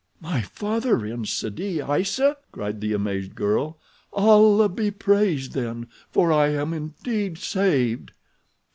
"My father in Sidi Aissa?" cried the amazed girl. "Allah be praised then, for I am indeed saved."